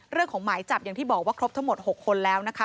เรื่องของหมายจับอย่างที่บอกว่าครบทั้งหมด๖คนแล้วนะคะ